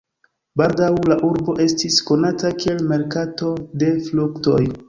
Baldaŭ la urbo estis konata kiel merkato de fruktoj.